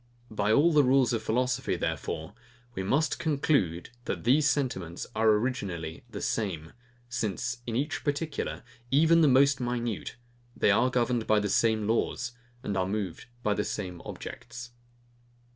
By all the rules of philosophy, therefore, we must conclude, that these sentiments are originally the same; since, in each particular, even the most minute, they are governed by the same laws, and are moved by the same objects.